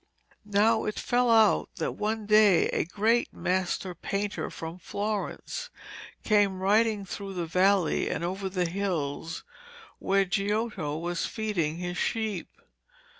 Now it fell out that one day a great master painter from Florence came riding through the valley and over the hills where Giotto was feeding his sheep.